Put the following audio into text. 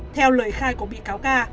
theo lời khai của bị cáo ca